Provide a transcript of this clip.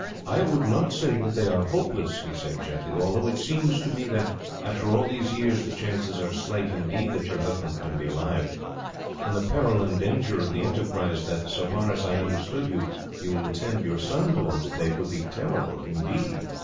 "I would not say that they are hopeless," he said gently, "although it seems to me that, after all these years, the chances are slight, indeed, that your husband can be alive; and the peril and danger of the enterprise that, so far as I understood you, you intend your son to undertake, would be terrible, indeed."